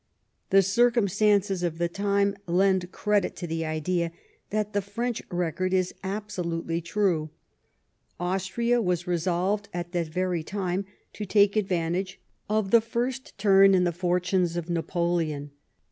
The circumstances of the time lend credit to the idea that the French record is absolutely true. Austria was resolved at that very time to take advantage of the first tnrn in the 30 LIFE OF PBINCE 3IETTEBNICR. fortunes of Napoleon.